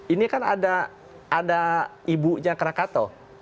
ini kan ada ibunya krakato